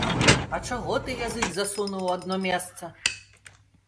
А чаго ты язык засунуў у адно месца?